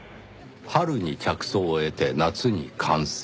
春に着想を得て夏に完成。